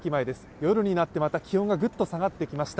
夜になって、また気温がぐっと下がってきました。